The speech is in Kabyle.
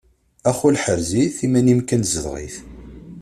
Ax ul ḥrez-it iman-im kan zdeɣ-it.